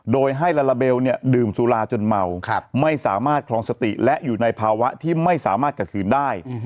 โดยให้ลาลาเบลเนี่ยดื่มสุราจนเมาไม่สามารถคลองสติและอยู่ในภาวะที่ไม่สามารถกระคืนได้